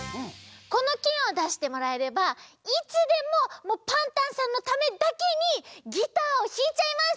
このけんをだしてもらえればいつでもパンタンさんのためだけにギターをひいちゃいます。